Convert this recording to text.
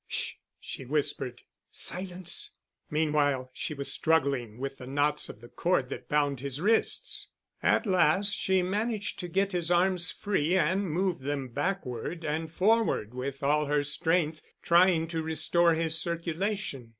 "Sh——," she whispered, "Silence!" Meanwhile she was struggling with the knots of the cord that bound his wrists. At last she managed to get his arms free and moved them backward and forward with all her strength, trying to restore his circulation.